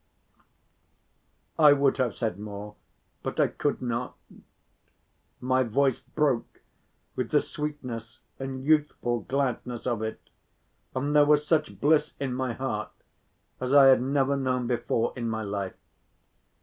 I would have said more but I could not; my voice broke with the sweetness and youthful gladness of it, and there was such bliss in my heart as I had never known before in my life.